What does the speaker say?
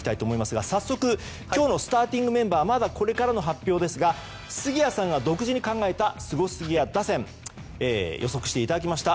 今日のスターティングメンバーはまだこれからの発表ですが杉谷さんが独自に考えたスゴすぎや打線予測していただきました。